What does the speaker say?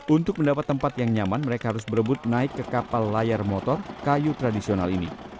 untuk mendapat tempat yang nyaman mereka harus berebut naik ke kapal layar motor kayu tradisional ini